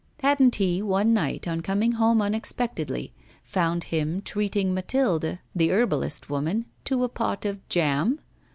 Hadn't he, one night on coming home unexpectedly, found him treating Mathilde, the herbalist woman, to a pot of jam?